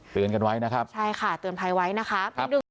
กันไว้นะครับใช่ค่ะเตือนภัยไว้นะคะ